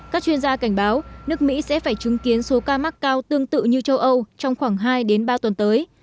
các chuyên gia cảnh báo nước mỹ sẽ phải chứng kiến số ca mắc cao tương tự như châu âu trong khoảng hai ba tuần tới